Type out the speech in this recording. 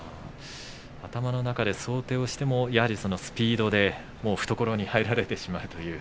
頭の中で想定してもやはりスピードで懐に入られてしまうという。